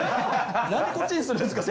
何でこっちにするんですか。